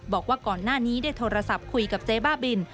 บอกว่าก่อนหน้านี้ได้โทรศัพท์คุยกับเจ๊บ้าบิน